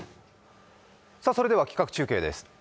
それでは企画中継です。